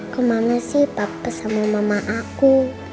kemana sih papa sama mama aku